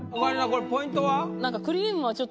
これポイントは？